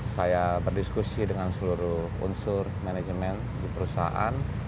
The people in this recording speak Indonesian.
saya berdiskusi dengan seluruh unsur manajemen di perusahaan